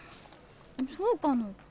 そうかな？